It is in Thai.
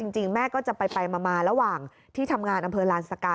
จริงแม่ก็จะไปมาระหว่างที่ทำงานอำเภอลานสกา